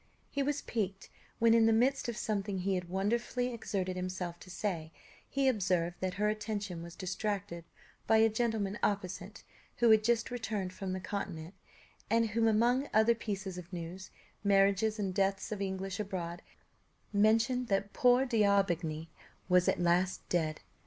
He was piqued when, in the midst of something he had wonderfully exerted himself to say, he observed that her attention was distracted by a gentleman opposite, who had just returned from the Continent, and who, among other pieces of news, marriages and deaths of English abroad, mentioned that "poor D'Aubigny" was at last dead.